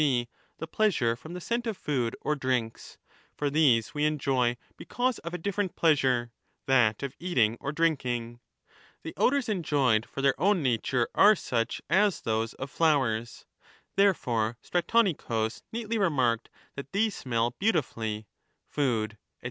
g. the pleasure from the scent of food or drinks ; for these we enjoy because of a different 10 pleasure, that of eating or drinking ; the odours enjoyed for their own nature are such as those of flowers ; (therefore Stratonicus neatly remarked that these smell beautifully, food, &c.